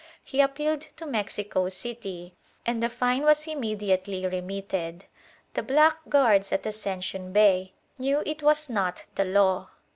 He appealed to Mexico City and the fine was immediately remitted. The blackguards at Ascension Bay knew it was not the law.